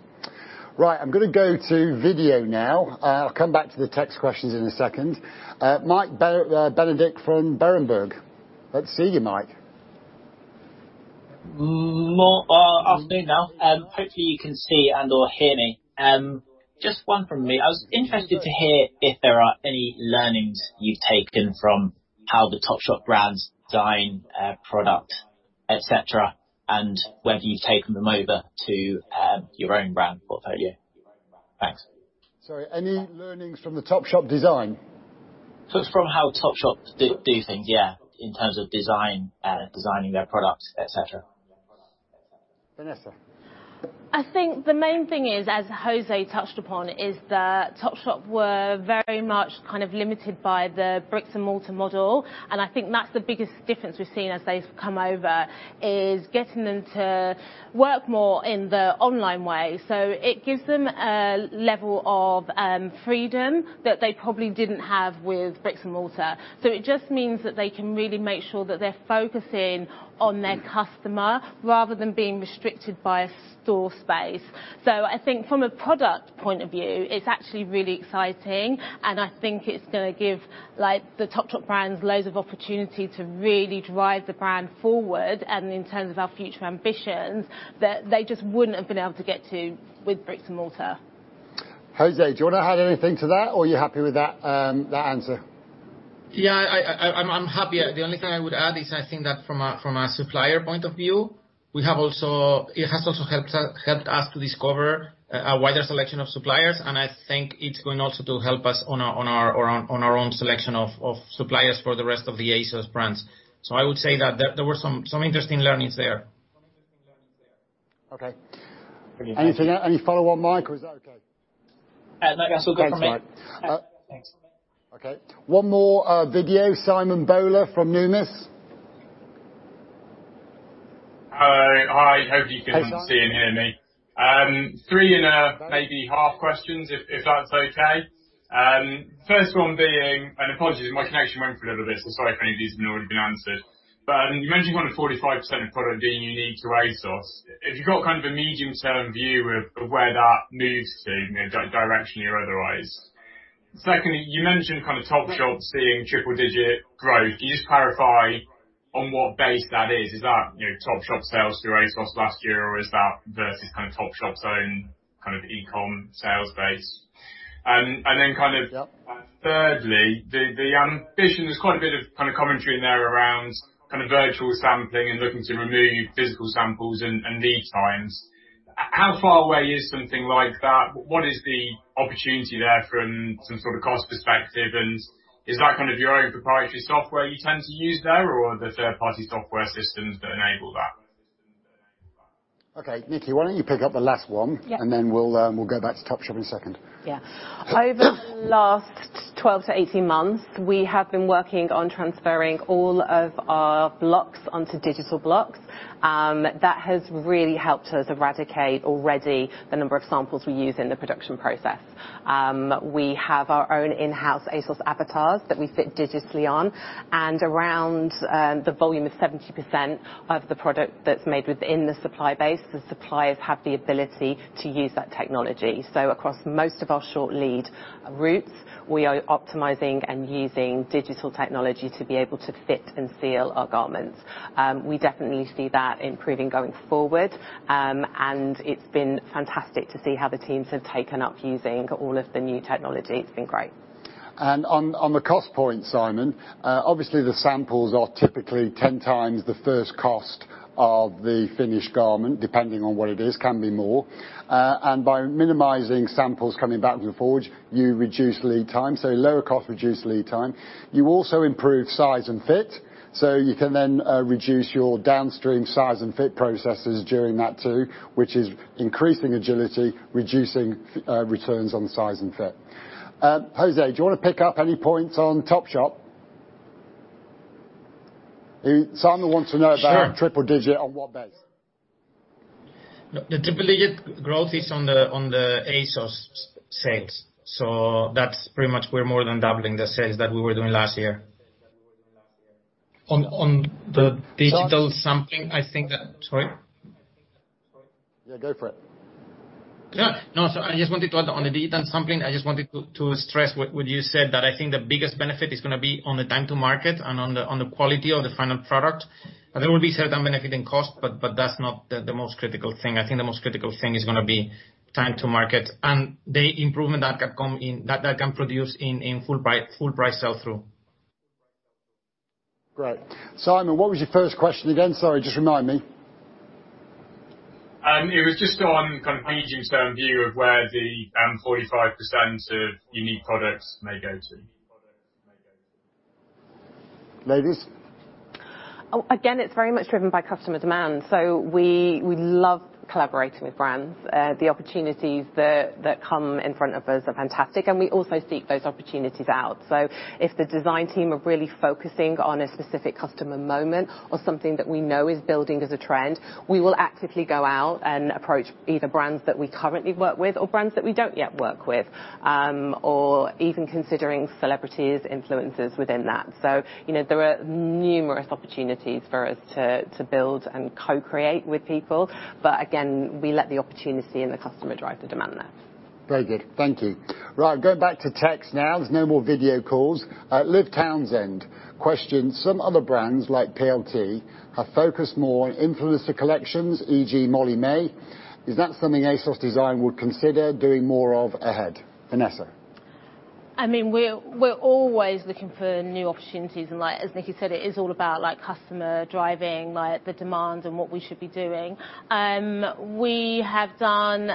Right. I'm going to go to video now. I'll come back to the text questions in a second. Michael Benedict from Berenberg. Let's hear you, Mike. Morning. Afternoon now. Hopefully, you can see and/or hear me. Just one from me. I was interested to hear if there are any learnings you've taken from how the Topshop brands design product, et cetera, and whether you've taken them over to your own brand portfolio. Thanks. Sorry, any learnings from the Topshop design? From how Topshop do things, yeah, in terms of design, designing their products, et cetera. Vanessa. I think the main thing is, as José touched upon, is that Topshop were very much kind of limited by the bricks and mortar model. I think that's the biggest difference we've seen as they've come over, is getting them to work more in the online way. It gives them a level of freedom that they probably didn't have with bricks and mortar. It just means that they can really make sure that they're focusing on their customer rather than being restricted by a store space. I think from a product point of view, it's actually really exciting. I think it's going to give the Topshop brands loads of opportunity to really drive the brand forward and in terms of our future ambitions, that they just wouldn't have been able to get to with bricks and mortar. José, do you want to add anything to that, or are you happy with that answer? Yeah, I'm happy. The only thing I would add is I think that from a supplier point of view, it has also helped us to discover a wider selection of suppliers, and I think it's going also to help us on our own selection of suppliers for the rest of the ASOS brands. I would say that there were some interesting learnings there. Okay. Anything, any follow on Mike, or is that okay? No, that's all good from me. Okay, Mike. Thanks. Okay, one more video, Simon Bowler from Numis. Hi. Hi, Simon. Hope you can all see and hear me. Three and maybe half questions, if that's okay. First one being apologies, my connection went for a little bit, so sorry if any of these have already been answered. You mentioned kind of 45% of product being unique to ASOS. Have you got kind of a medium-term view of where that moves to, directionally or otherwise? Secondly, you mentioned kind of Topshop seeing triple digit growth. Can you just clarify on what base that is? Is that Topshop sales through ASOS last year, or is that versus Topshop's own kind of e-com sales base? Yep. Thirdly, the ambition, there's quite a bit of commentary in there around virtual sampling and looking to remove physical samples and lead times. How far away is something like that? What is the opportunity there from some sort of cost perspective, and is that your own proprietary software you tend to use there, or are there third-party software systems that enable that? Okay, Nikki, why don't you pick up the last one? Yeah. We'll go back to Topshop in a second. Yeah. Over the last 12-18 months, we have been working on transferring all of our blocks onto digital blocks. That has really helped us eradicate already the number of samples we use in the production process. We have our own in-house ASOS avatars that we fit digitally on, and around the volume of 70% of the product that's made within the supply base, the suppliers have the ability to use that technology. Across most of our short lead routes, we are optimizing and using digital technology to be able to fit and seal our garments. We definitely see that improving going forward, and it's been fantastic to see how the teams have taken up using all of the new technology. It's been great. On the cost point, Simon, obviously the samples are typically 10x the first cost of the finished garment, depending on what it is, can be more. By minimizing samples coming back and forth, you reduce lead time, so lower cost, reduced lead time. You also improve size and fit, so you can then reduce your downstream size and fit processes during that too, which is increasing agility, reducing returns on size and fit. José, do you want to pick up any points on Topshop? Sure. Triple digit, on what base? The triple digit growth is on the ASOS sales. That's pretty much we're more than doubling the sales that we were doing last year. On the digital sampling, I think that Sorry? Yeah, go for it. I just wanted to add on the digital sampling, I just wanted to stress what you said, that I think the biggest benefit is going to be on the time to market and on the quality of the final product. There will be certain benefit in cost, but that's not the most critical thing. I think the most critical thing is going to be time to market and the improvement that that can produce in full price sell through. Great. Simon, what was your first question again? Sorry, just remind me. It was just on kind of medium term view of where the 45% of unique products may go to. Ladies? Again, it's very much driven by customer demand. We love collaborating with brands. The opportunities that come in front of us are fantastic, and we also seek those opportunities out. If the design team are really focusing on a specific customer moment or something that we know is building as a trend, we will actively go out and approach either brands that we currently work with or brands that we don't yet work with. Even considering celebrities, influencers within that. There are numerous opportunities for us to build and co-create with people. Again, we let the opportunity and the customer drive the demand there. Very good. Thank you. Going back to text now. There's no more video calls. Liv Townsend questions, "Some other brands like PLT have focused more on influencer collections, e.g. Molly-Mae. Is that something ASOS Design would consider doing more of ahead?" Vanessa. I mean, we're always looking for new opportunities and as Nikki said, it is all about customer driving the demand and what we should be doing. We have done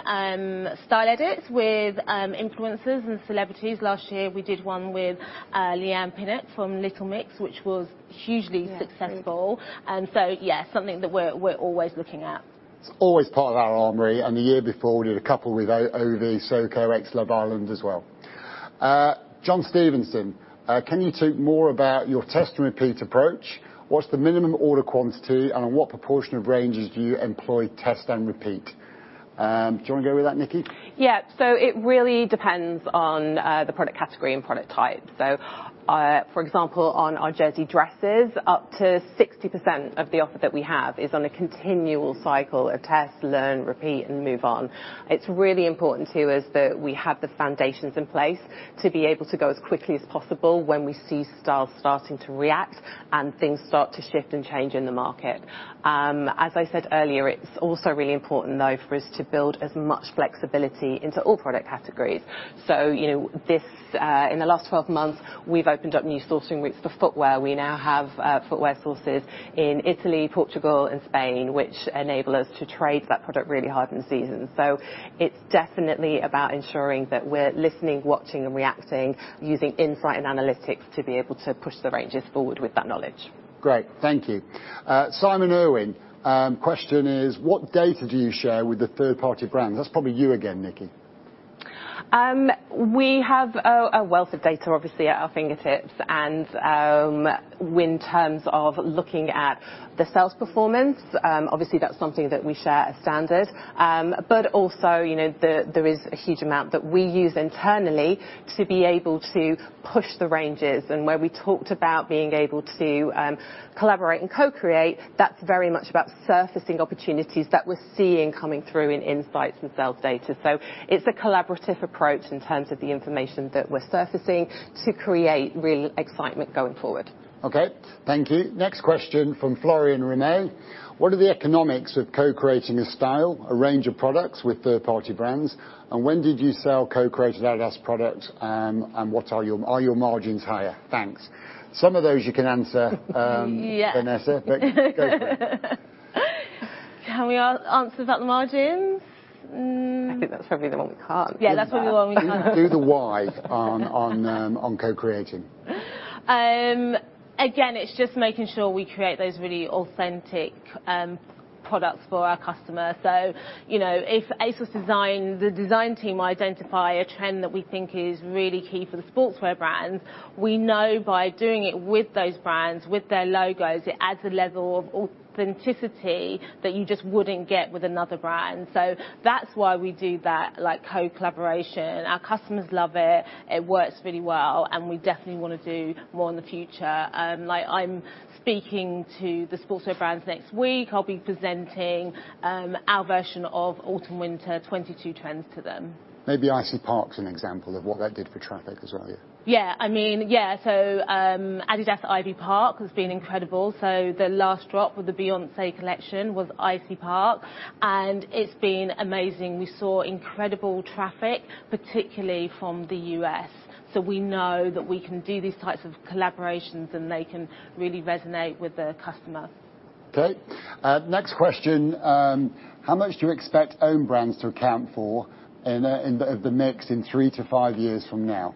style edits with influencers and celebrities. Last year we did one with Leigh-Anne Pinnock from Little Mix, which was hugely successful. Yeah. Yeah, something that we're always looking at. It's always part of our armory, and the year before we did a couple with Ovie Soko, Ex-Love Island as well. John Stevenson, "Can you talk more about your test and repeat approach? What's the minimum order quantity and on what proportion of ranges do you employ test and repeat?" Do you want to go with that, Nikki? Yeah. It really depends on the product category and product type. For example, on our jersey dresses, up to 60% of the offer that we have is on a continual cycle of test, learn, repeat and move on. It's really important to us that we have the foundations in place to be able to go as quickly as possible when we see styles starting to react and things start to shift and change in the market. As I said earlier, it's also really important though for us to build as much flexibility into all product categories. In the last 12 months, we've opened up new sourcing routes for footwear. We now have footwear sources in Italy, Portugal and Spain, which enable us to trade that product really hard in season. It's definitely about ensuring that we're listening, watching and reacting using insight and analytics to be able to push the ranges forward with that knowledge. Great. Thank you. Simon Irwin, question is, "What data do you share with the third-party brands?" That's probably you again, Nikki. We have a wealth of data, obviously, at our fingertips, and in terms of looking at the sales performance, obviously that's something that we share as standard. Also, there is a huge amount that we use internally to be able to push the ranges. Where we talked about being able to collaborate and co-create, that's very much about surfacing opportunities that we're seeing coming through in insights and sales data. It's a collaborative approach in terms of the information that we're surfacing to create really excitement going forward. Okay. Thank you. Next question from Florian René. "What are the economics of co-creating a style, a range of products with third-party brands? When did you sell co-created Adidas products, and are your margins higher? Thanks." Some of those you can answer- Yeah. Vanessa, go for it. Can we answer about the margins? I think that's probably the one we can't. Yeah. That's the one we can't. Do the why on co-creating. Again, it's just making sure we create those really authentic products for our customers. If ASOS Design, the design team identify a trend that we think is really key for the sportswear brands, we know by doing it with those brands, with their logos, it adds a level of authenticity that you just wouldn't get with another brand. That's why we do that co-collaboration. Our customers love it. It works really well, and we definitely want to do more in the future. I'm speaking to the sportswear brands next week. I'll be presenting our version of autumn/winter 2022 trends to them. Maybe Ivy Park's an example of what that did for traffic as well, yeah? Yeah. Adidas Ivy Park has been incredible. The last drop with the Beyoncé collection was Ivy Park, and it's been amazing. We saw incredible traffic, particularly from the U.S. We know that we can do these types of collaborations, and they can really resonate with the customers. Okay. Next question. "How much do you expect own brands to account for in the mix in three to five years from now?"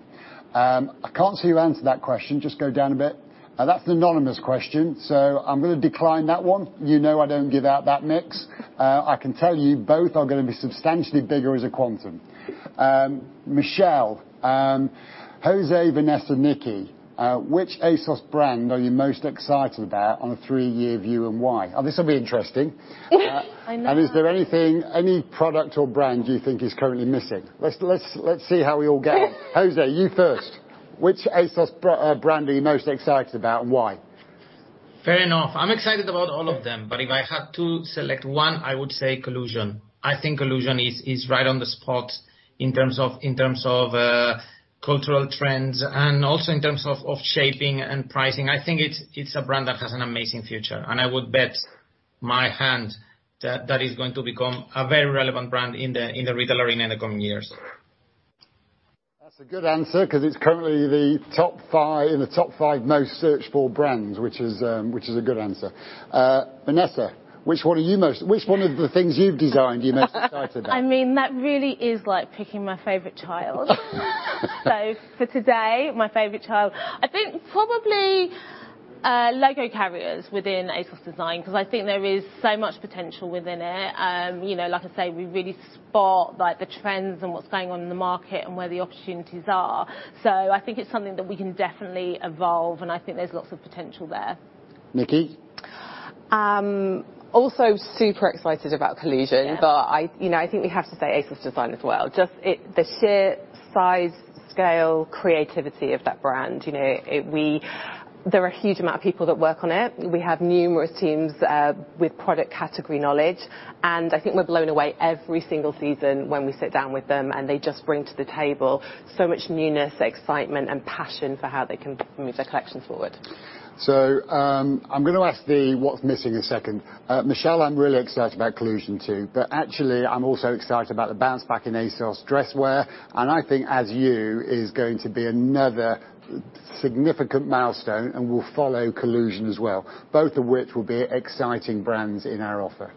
I can't see who answered that question. Just go down a bit. That's an anonymous question, so I'm going to decline that one. You know I don't give out that mix. I can tell you both are going to be substantially bigger as a quantum. Michelle, José, Vanessa, Nikki, which ASOS brand are you most excited about on a three-year view, and why? Oh, this'll be interesting. I know. Is there any product or brand you think is currently missing? Let's see how we all get. José, you first. Which ASOS brand are you most excited about, and why? Fair enough. I'm excited about all of them, but if I had to select one, I would say Collusion. I think Collusion is right on the spot in terms of cultural trends and also in terms of shaping and pricing. I think it's a brand that has an amazing future, and I would bet my hand that that is going to become a very relevant brand in the retailer in the coming years. That's a good answer because it's currently in the top five most searched for brands, which is a good answer. Vanessa, which one of the things you've designed are you most excited about? That really is like picking my favorite child. For today, my favorite child, I think probably, logo carriers within ASOS Design because I think there is so much potential within it. Like I say, we really spot the trends and what's going on in the market and where the opportunities are. I think it's something that we can definitely evolve, and I think there's lots of potential there. Nikki? Super excited about Collusion. Yeah. I think we have to say ASOS Design as well. Just the sheer size, scale, creativity of that brand. There are a huge amount of people that work on it. We have numerous teams with product category knowledge, and I think we're blown away every single season when we sit down with them, and they just bring to the table so much newness, excitement, and passion for how they can move their collection forward. I'm going to ask the what's missing a second. Michelle, I'm really excited about Collusion, too. Actually, I'm also excited about the bounce back in ASOS dress wear, I think, as you, is going to be another significant milestone and will follow Collusion as well, both of which will be exciting brands in our offer.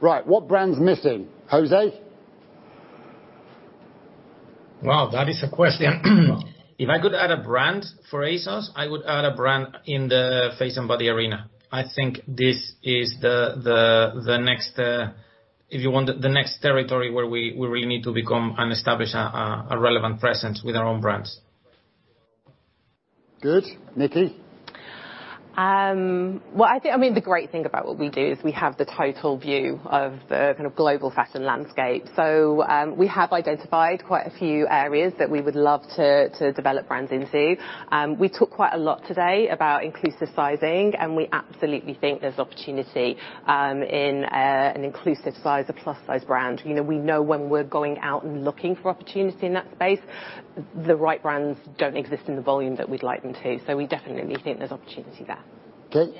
Right. What brand's missing? José? Wow, that is a question. If I could add a brand for ASOS, I would add a brand in the face and body arena. I think this is the next, if you want, the next territory where we really need to become and establish a relevant presence with our own brands. Good. Nikki? The great thing about what we do is we have the total view of the global fashion landscape. We have identified quite a few areas that we would love to develop brands into. We talked quite a lot today about inclusive sizing, and we absolutely think there's opportunity in an inclusive size, a plus size brand. We know when we're going out and looking for opportunity in that space, the right brands don't exist in the volume that we'd like them to. We definitely think there's opportunity there. Good.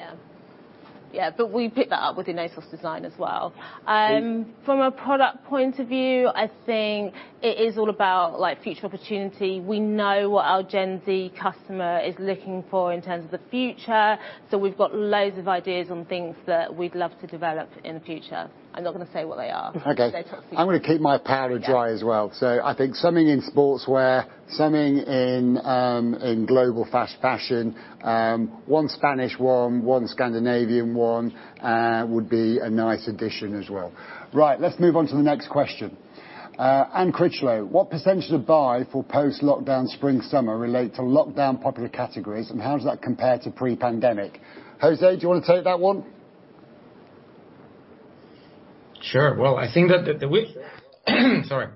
Yeah. We pick that up within ASOS Design as well. Good. From a product point of view, I think it is all about future opportunity. We know what our Gen Z customer is looking for in terms of the future, we've got loads of ideas on things that we'd love to develop in the future. I'm not going to say what they are. Okay. Stay tuned. I'm going to keep my powder dry as well. I think something in sportswear, something in global fashion, one Spanish one Scandinavian one would be a nice addition as well. Let's move on to the next question. Anne Critchlow, "What percentage of buy for post-lockdown spring/summer relate to lockdown popular categories, and how does that compare to pre-pandemic?" José, do you want to take that one? Sure. Well, I think that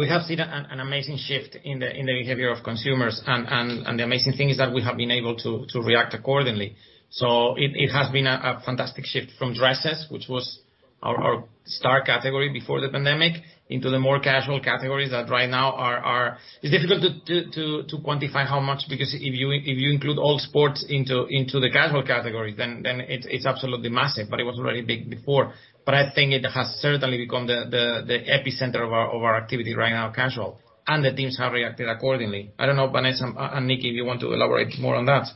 we have seen an amazing shift in the behavior of consumers, and the amazing thing is that we have been able to react accordingly. It has been a fantastic shift from dresses, which was our star category before the pandemic, into the more casual categories that right now are It's difficult to quantify how much, because if you include all sports into the casual categories, then it's absolutely massive. It was already big before. I think it has certainly become the epicenter of our activity right now, casual, and the teams have reacted accordingly. I don't know, Vanessa and Nikki, if you want to elaborate more on that.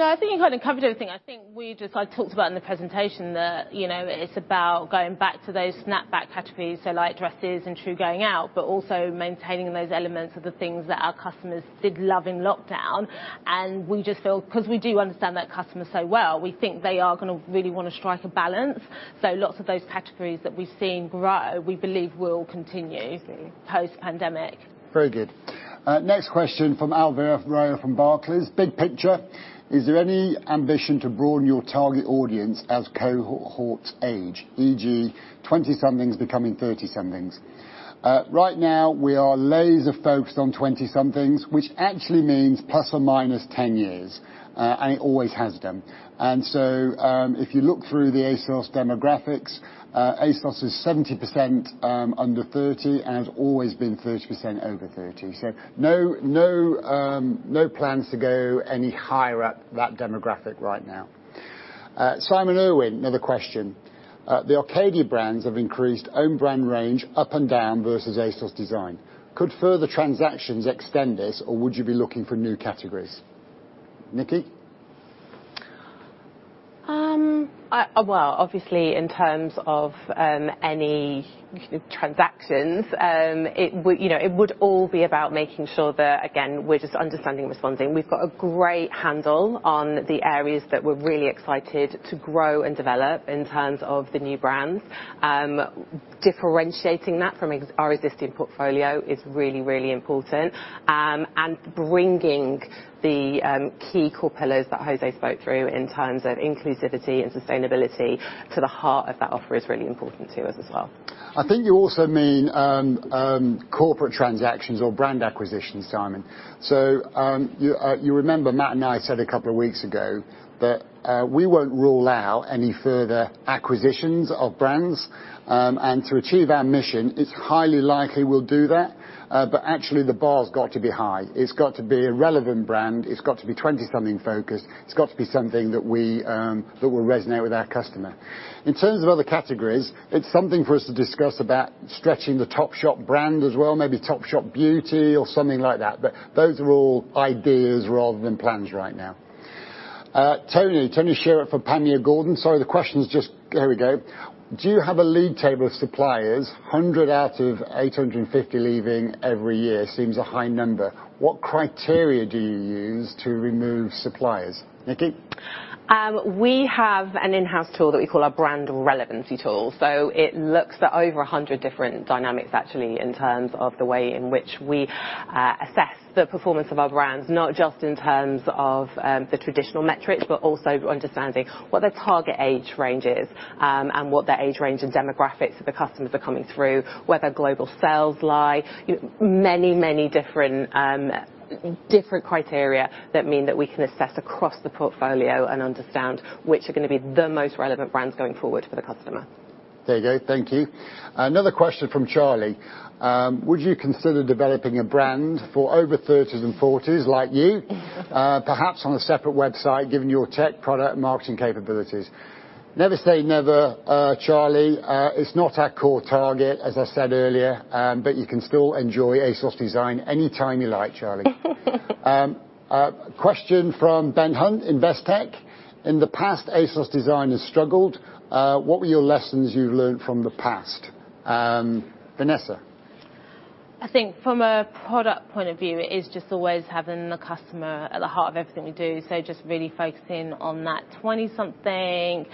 I think you kind of covered everything. I think we just, like, talked about in the presentation that it's about going back to those snap-back categories, so like dresses and true going out, but also maintaining those elements of the things that our customers did love in lockdown. We just feel, because we do understand that customer so well, we think they are going to really want to strike a balance. Lots of those categories that we've seen grow, we believe will continue post pandemic. Very good. Next question from Andrew Ross from Barclays. "Big picture, is there any ambition to broaden your target audience as cohorts age, e.g., 20-somethings becoming 30-somethings?" Right now, we are laser focused on 20-somethings, which actually means ±10 years. It always has been. If you look through the ASOS demographics, ASOS is 70% under 30, and it's always been 30% over 30. No plans to go any higher up that demographic right now. Simon Irwin, another question. "The Arcadia brands have increased own brand range up and down versus ASOS Design. Could further transactions extend this, or would you be looking for new categories?" Nikki? Well, obviously, in terms of any transactions, it would all be about making sure that, again, we're just understanding and responding. We've got a great handle on the areas that we're really excited to grow and develop in terms of the new brands. Differentiating that from our existing portfolio is really, really important. Bringing the key core pillars that José spoke through in terms of inclusivity and sustainability to the heart of that offer is really important to us as well. I think you also mean corporate transactions or brand acquisitions, Simon. You remember Matt and I said a couple of weeks ago that we won't rule out any further acquisitions of brands, and to achieve our mission, it's highly likely we'll do that. Actually, the bar's got to be high. It's got to be a relevant brand. It's got to be 20-something focused. It's got to be something that will resonate with our customer. In terms of other categories, it's something for us to discuss about stretching the Topshop brand as well, maybe Topshop Beauty or something like that. Those are all ideas rather than plans right now. Tony Shiret for Panmure Gordon. Sorry, the question's just There we go. "Do you have a league table of suppliers? 100 out of 850 leaving every year seems a high number. What criteria do you use to remove suppliers, Nikki? We have an in-house tool that we call our brand relevancy tool. It looks at over 100 different dynamics, actually, in terms of the way in which we assess the performance of our brands, not just in terms of the traditional metrics, but also understanding what their target age range is, and what their age range and demographics of the customers are coming through, where their global sales lie. Many, many different criteria that mean that we can assess across the portfolio and understand which are going to be the most relevant brands going forward for the customer. There you go. Thank you. Another question from Charlie. "Would you consider developing a brand for over 30s and 40s like you, perhaps on a separate website, given your tech, product, and marketing capabilities?" Never say never, Charlie. It's not our core target, as I said earlier, but you can still enjoy ASOS Design any time you like, Charlie. Question from Ben Hunt, Investec. "In the past, ASOS Design has struggled. What were your lessons you've learned from the past?" Vanessa. I think from a product point of view, it is just always having the customer at the heart of everything we do. Just really focusing on that 20-somethings,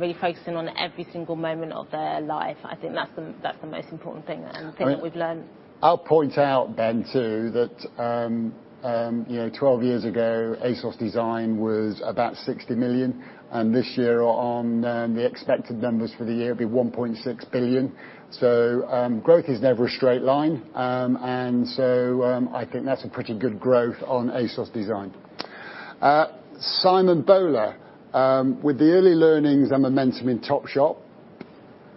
really focusing on every single moment of their life. I think that's the most important thing and the thing that we've learned. I'll point out, Ben, too, that 12 years ago, ASOS Design was about 60 million, and this year on the expected numbers for the year, it'll be 1.6 billion. Growth is never a straight line. I think that's a pretty good growth on ASOS Design. Simon Bowler, "With the early learnings and momentum in Topshop,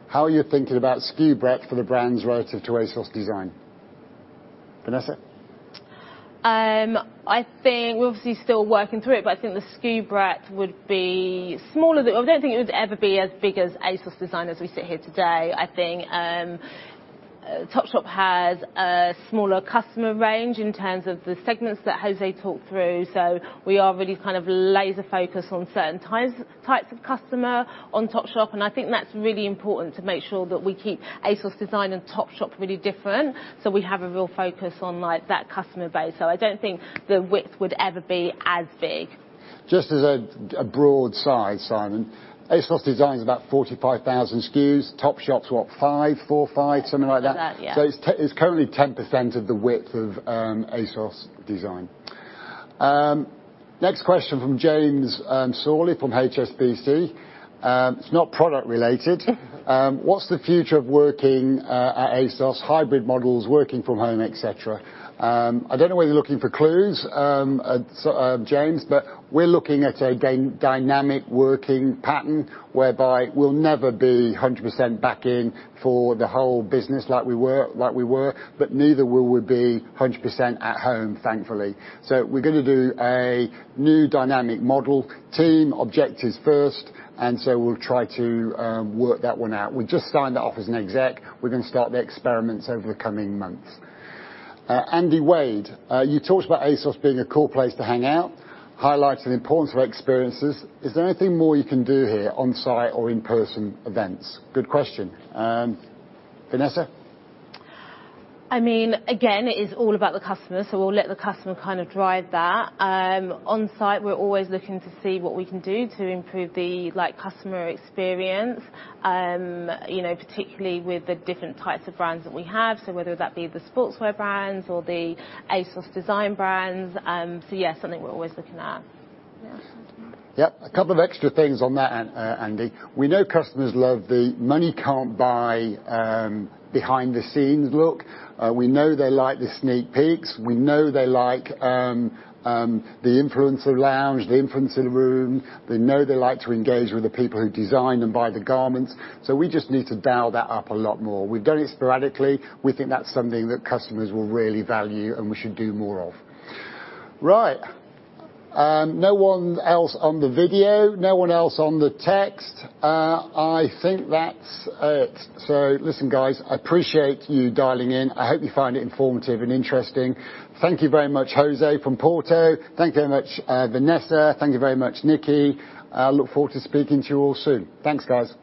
how are you thinking about SKU breadth for the brands relative to ASOS Design?" Vanessa? I think we're obviously still working through it, but I think the SKU breadth would be smaller than I don't think it would ever be as big as ASOS Design as we sit here today. I think Topshop has a smaller customer range in terms of the segments that José talked through. We are really kind of laser focused on certain types of customer on Topshop, and I think that's really important to make sure that we keep ASOS Design and Topshop really different, so we have a real focus on that customer base. I don't think the width would ever be as big. Just as a broad size, Simon, ASOS Design is about 45,000 SKUs. Topshop's what, five, four, five? Something like that. Yeah, something like that. Yeah. It's currently 10% of the width of ASOS Design. Next question from James Shirley from HSBC. It's not product related. What's the future of working at ASOS? Hybrid models, working from home, et cetera. I don't know whether you're looking for clues, James, but we're looking at a dynamic working pattern whereby we'll never be 100% back in for the whole business like we were, but neither will we be 100% at home, thankfully. We're going to do a new dynamic model, team objectives first, we'll try to work that one out. We've just signed that off as an exec. We're going to start the experiments over the coming months. Andrew Wade: You talked about ASOS being a cool place to hang out, highlighting the importance of experiences. Is there anything more you can do here on site or in person events? Good question. Vanessa? Again, it is all about the customer, so we'll let the customer drive that. On site, we're always looking to see what we can do to improve the customer experience, particularly with the different types of brands that we have, so whether that be the sportswear brands or the ASOS Design brands. Yes, something we're always looking at. Yep. A couple of extra things on that, Andy. We know customers love the money can't buy behind the scenes look. We know they like the sneak peeks. We know they like the influencer lounge, the influencer room. We know they like to engage with the people who design and buy the garments. We just need to dial that up a lot more. We've done it sporadically. We think that's something that customers will really value and we should do more of. Right. No one else on the video, no one else on the text. I think that's it. Listen, guys, I appreciate you dialing in. I hope you find it informative and interesting. Thank you very much, José from Porto. Thank you very much, Vanessa. Thank you very much, Nikki. I look forward to speaking to you all soon. Thanks, guys.